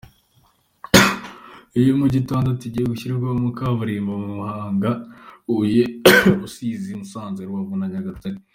Iyo mijyi itandatu igiye gushyirwamo kaburimbo ni Muhanga, Huye, Rusizi, Musanze, Rubavu na Nyagatare.